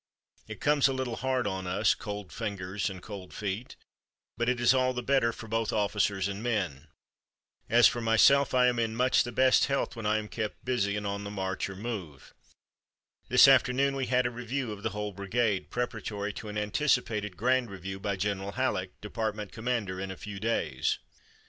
It comes a little hard on us, cold fingers and cold feet, but it is all the better for both officers and men. As for myself I am in much the best health when I am kept busy, and on the march or move. This afternoon we had a review of the whole brigade, preparatory to an anticipated grand review by General Halleck, Department Commander, in a few days."